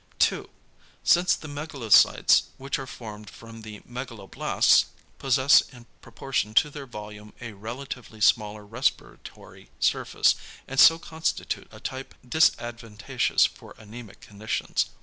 2. Since the megalocytes which are formed from the megaloblasts possess in proportion to their volume a relatively smaller respiratory surface, and so constitute a type disadvantageous for anæmic conditions.